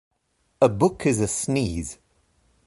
A book is a sneeze.